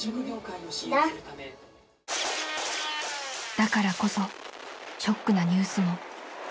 ［だからこそショックなニュースも］